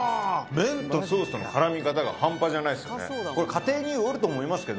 麺とソースとの絡み方が半端じゃないですよね。